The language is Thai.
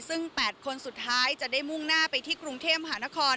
ซึ่ง๘คนสุดท้ายจะได้มุ่งหน้าไปที่กรุงเทพหานคร